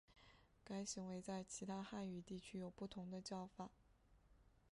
该行为在其他汉语地区有不同的叫法。